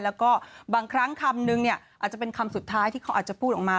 แล้วก็บางครั้งคำนึงเนี่ยอาจจะเป็นคำสุดท้ายที่เขาอาจจะพูดออกมา